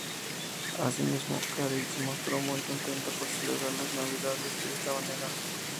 Asimismo, Carey se mostró muy contenta por celebrar las navidades de esta manera.